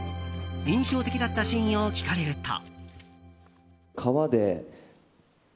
印象的だったシーンを聞かれると。